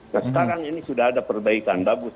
nah sekarang ini sudah ada perbaikan bagus